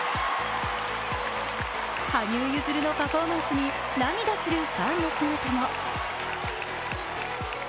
羽生結弦のパフォーマンスに涙するファンの姿も。